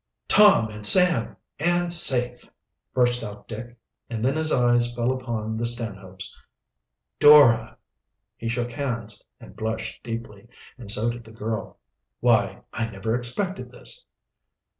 "Tom and Sam, and safe!" burst out Dick, and then his eyes fell upon the Stanhopes. "Dora!" He shook hands and blushed deeply, and so did the girl. "Why, I never expected this!"